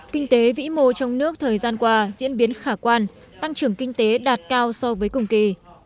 kinh tế vĩ mô trong nước thời gian qua diễn biến khả quan tăng trưởng kinh tế đạt cao so với cùng kỳ